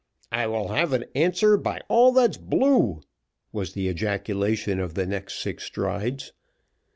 "I will have an answer, by all that's blue!" was the ejaculation of the next six strides.